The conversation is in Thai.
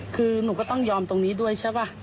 คือหนูก็ต้องยอมตรงนี้ด้วยใช่ป่ะ